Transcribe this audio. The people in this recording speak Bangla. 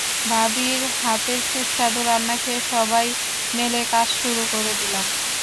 ভাবির হাতের সুস্বাদু রান্না খেয়ে সবাই মিলে কাজ শুরু করে দিলাম।